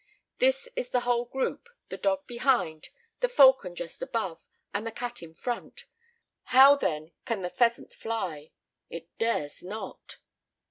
This is the whole group, the dog behind, the falcon just above, and the cat in front, how then can the pheasant fly? It dares not."